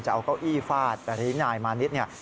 จะเอาเก้าอี้ฟาดแต่ทีนี้นายมานิดเนี่ย